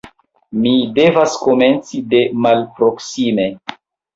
Mi devas komenci de malproksime.